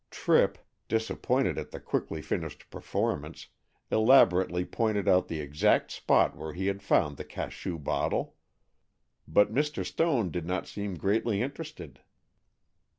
Tripp, disappointed at the quickly finished performance, elaborately pointed out the exact spot where he had found the cachou bottle, but Mr. Stone did not seem greatly interested.